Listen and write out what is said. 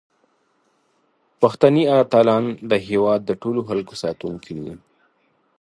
پښتني اتلان د هیواد د ټولو خلکو ساتونکي دي.